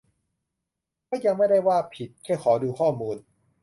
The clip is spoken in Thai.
ก็ยังไม่ได้ว่าว่าผิด แค่ขอดูข้อมูล